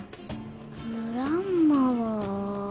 グランマは。